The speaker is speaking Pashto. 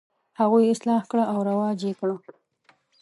هغوی یې اصلاح کړه او رواج یې کړ.